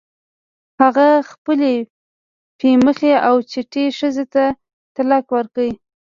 هغه خپلې پی مخې او چټې ښځې ته طلاق ورکړ.